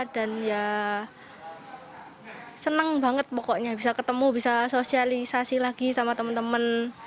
dan ya senang banget pokoknya bisa ketemu bisa sosialisasi lagi sama teman teman